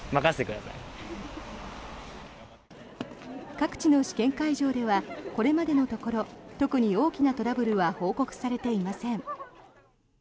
各地の試験会場ではこれまでのところ特に大きなトラブルは報告されていません。